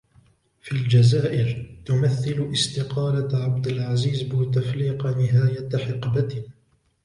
في الجزائر, تمثل استقالة عبد العزيز بوتفليقة نهاية حقبة.